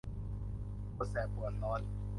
ปวดแสบปวดร้อน